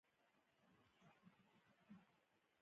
رسۍ د غره، کور، او دښتې وسیله ده.